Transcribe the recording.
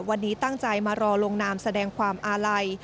วันนี้ตั้งใจมารอลงนามแสดงความอาลัย